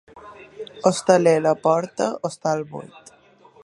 Hostaler a la porta, hostal buit.